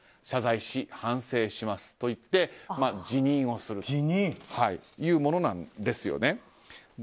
謝罪し反省しますと言って辞任をするというものなんですよね。